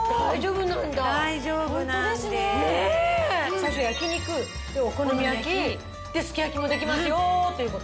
最初焼肉でお好み焼きですき焼きもできますよという事ですよね。